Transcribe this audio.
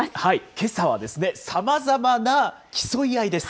けさはですね、さまざまな競い合いです。